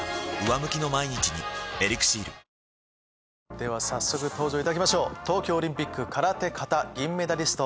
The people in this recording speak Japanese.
では早速登場いただきましょう東京オリンピック空手形銀メダリスト